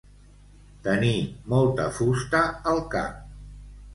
Tenir molta fusta al cap.